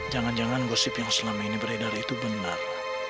jangan jangan gosip yang selama ini beredar itu benar